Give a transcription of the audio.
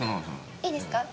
いいですか？